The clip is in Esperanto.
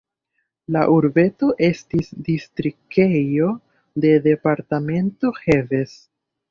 La urbeto estis distriktejo de departemento Heves.